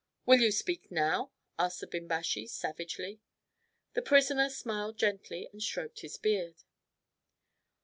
"Will you speak now?" asked the Bimbashi, savagely. The prisoner smiled gently and stroked his beard.